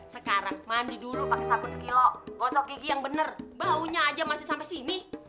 sekarang mandi dulu pakai sabun sekilo gosok gigi yang benar baunya aja masih sampai sini